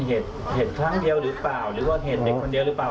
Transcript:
เห็นครั้งเดียวหรือเปล่าหรือว่าเห็นเด็กคนเดียวหรือเปล่า